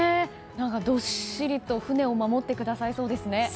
どっしりと船を守ってくださりそうですね。